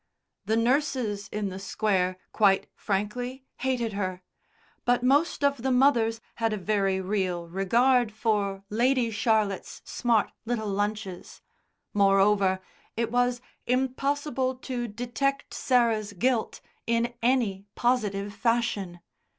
The nurses in the Square quite frankly hated her, but most of the mothers had a very real regard for Lady Charlotte's smart little lunches; moreover, it was impossible to detect Sarah's guilt in any positive fashion.